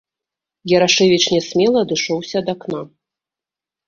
Ярашэвіч нясмела адышоўся ад акна.